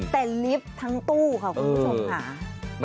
แต่ลิฟต์ทั้งตู้ค่ะคุณผู้ชมค่ะ